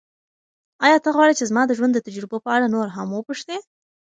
ایا ته غواړې چې زما د ژوند د تجربو په اړه نور هم وپوښتې؟